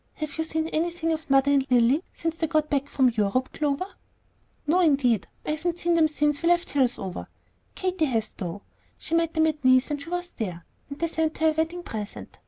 Have you seen anything of mother and Lilly since they got back from Europe, Clover?" "No, indeed. I haven't seen them since we left Hillsover. Katy has, though. She met them in Nice when she was there, and they sent her a wedding present.